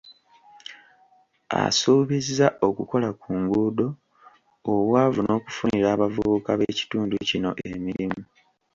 Asuubizza okukola ku nguudo, obwavu n'okufunira abavubuka b'ekitundu kino emirimu.